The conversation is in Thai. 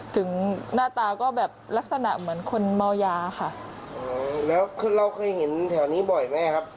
ถึงหน้าตาก็แบบลักษณะเหมือนคนเมายาค่ะแล้วคือเราเคยเห็นแถวนี้บ่อยไหมครับ